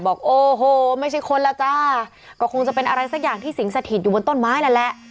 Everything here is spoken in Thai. บอกโอ้โหไม่ใช่คนแล้วจ้าก็คงจะเป็นอะไรสักอย่างที่สิงสถิตอยู่บนต้นไม้นั่นแหละ